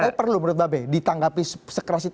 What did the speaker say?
itu perlu menurut mbak be ditangkapi sekeras itu